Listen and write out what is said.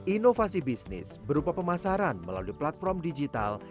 inovasi bisnis berupa pemasaran melalui platform digital